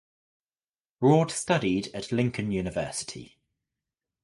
Broad studied at Lincoln University.